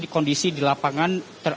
kondisi di lapangan